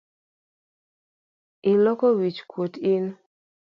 Ikolo wich kuot in.